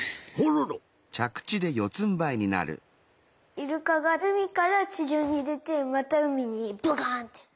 イルカがうみからちじょうにでてまたうみにどかんって。